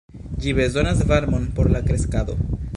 Ĝi bezonas varmon por la kreskado.